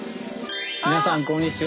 皆さんこんにちは。